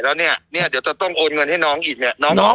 แล้วเนี้ยเนี้ยเดี๋ยวต้องโอนเงินให้น้องอีกเนี้ยน้องน้อง